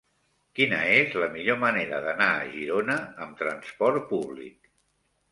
Quina és la millor manera d'anar a Girona amb trasport públic?